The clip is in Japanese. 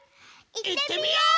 いってみよう！